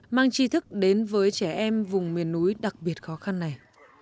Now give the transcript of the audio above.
mang chi thức đến với trẻ em vùng miền núi đặc biệt khó khăn này